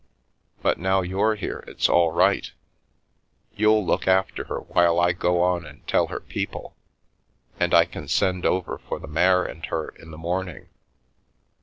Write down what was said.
But now you're here it's all right. You'll look after her while I go on and tell her people, and I can send over for the mare and her in the morn mg.